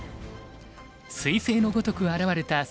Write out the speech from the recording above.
すい星のごとく現れた関航太郎